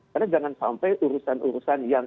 karena jangan sampai urusan urusan yang